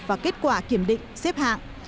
và kết quả kiểm định xếp hạng